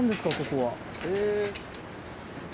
ここは。え？